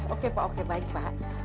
oke pak oke baik pak